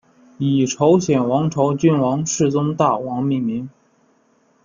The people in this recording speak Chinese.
以朝鲜王朝君王世宗大王命名。